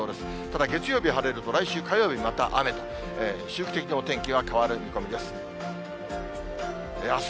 ただ、月曜日は晴れ、来週火曜日また雨と、周期的にお天気は変わる見込みです。